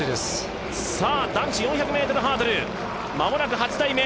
男子４００ｍハードル、まもなく８台目。